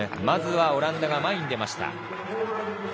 まずはオランダが前に出ました。